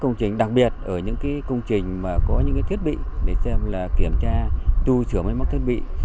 công trình đặc biệt ở những công trình có những thiết bị để kiểm tra tu sửa mấy mắc thiết bị